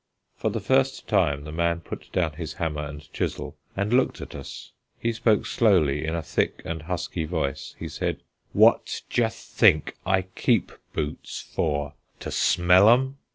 For the first time the man put down his hammer and chisel, and looked at us. He spoke slowly, in a thick and husky voice. He said: "What d'ye think I keep boots for to smell 'em?"